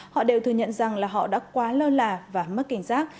họ đều thừa nhận rằng là họ đã quá lo lạ và mất cảnh giác